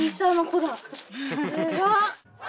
すごっ！